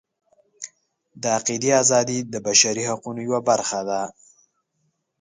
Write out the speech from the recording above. د عقیدې ازادي د بشري حقونو یوه برخه ده.